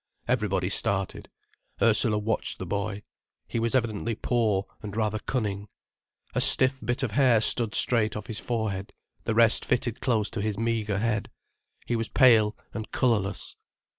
Everybody started. Ursula watched the boy. He was evidently poor, and rather cunning. A stiff bit of hair stood straight off his forehead, the rest fitted close to his meagre head. He was pale and colourless.